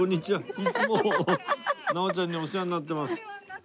いつも直ちゃんにはお世話になってます。